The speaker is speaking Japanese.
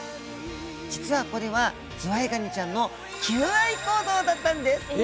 実はこれはズワイガニちゃんの求愛行動だったんです！